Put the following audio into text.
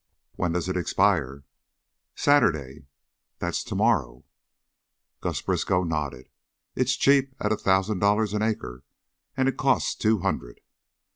"When does it expire?" "Saturday." "That's to morrow." Gus Briskow nodded. "It's cheap at a thousand dollars an acre, an' it costs two hundred."